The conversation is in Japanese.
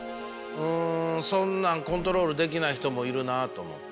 うんそんなんコントロールできない人もいるなと思って。